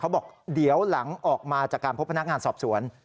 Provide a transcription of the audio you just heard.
บอกเดี๋ยวหลังออกมาจากการพบพนักงานสอบสวน